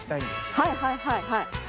はいはいはい。